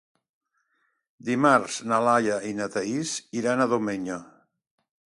Dimarts na Laia i na Thaís iran a Domenyo.